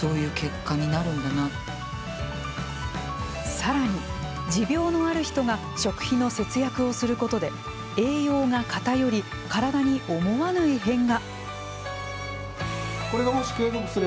さらに、持病のある人が食費の節約をすることで栄養が偏り、体に思わぬ異変が。